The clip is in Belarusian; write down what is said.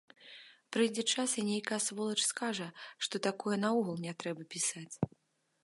Прыйдзе час і нейкая сволач скажа, што пра такое наогул не трэба пісаць.